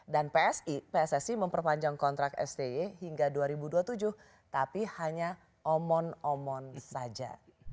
dan pssi memperpanjang kontrak sde hingga dua ribu dua puluh tujuh tapi hanya omon omon saja